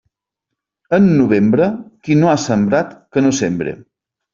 En novembre, qui no ha sembrat, que no sembre.